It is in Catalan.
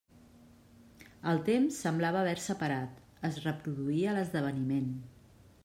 El temps semblava haver-se parat, es reproduïa l'esdeveniment.